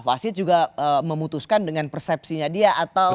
fasid juga memutuskan dengan persepsinya dia atau